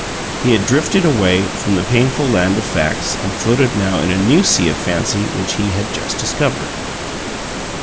He had drifted away from the painful land of facts, and floated now in a new sea of fancy which he had just discovered.